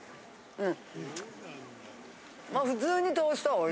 うん！